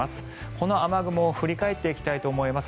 この雨雲振り返っていきたいと思います。